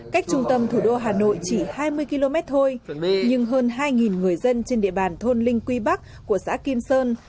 cách trung tâm thủ đô hà nội chỉ hai mươi km thôi nhưng hơn hai người dân trên địa bàn thôn linh quy bắc của xã kim sơn